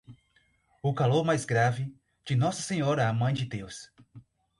O calor mais grave, de Nossa Senhora a Mãe de Deus.